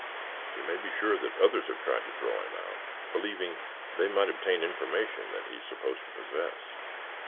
You may be sure that others have tried to draw him out, believing they might obtain information that he is supposed to possess."